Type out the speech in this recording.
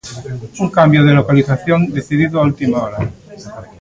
Un cambio de localización decidido a última hora.